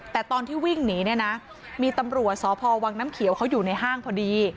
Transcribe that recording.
แต่ตอนที่วิ่งหนีเนี่ยนะมีตำรวจสพวังน้ำเขียวเขาอยู่ในห้างพอดี